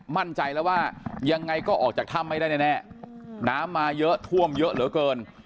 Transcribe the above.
มั่นใจแล้วว่ายังไงก็ออกจากถ้ำไม่ได้แน่น้ำมาเยอะท่วมเยอะเหลือเกิน